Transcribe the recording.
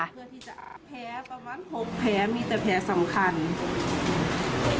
แผลประมาณ๖แผลมีแต่แผลสำคัญ